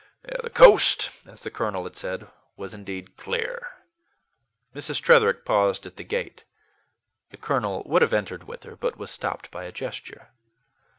"The coast," as the colonel had said, was indeed "clear." Mrs. Tretherick paused at the gate. The colonel would have entered with her, but was stopped by a gesture.